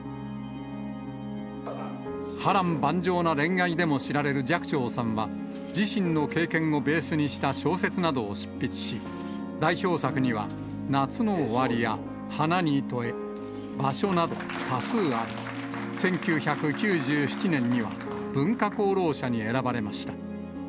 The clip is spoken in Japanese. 波乱万丈な恋愛でも知られる寂聴さんは、自身の経験をベースにした小説などを執筆し、代表作には、夏の終りや、花に問え、場所など、多数あり、１９９７年には文化功労者に選ばれました。